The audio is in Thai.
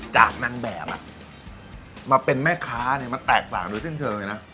จากนางแบบอ่ะมาเป็นแม่ค้าเนี้ยมันแตกต่างด้วยซึ่งเธอไงน่ะ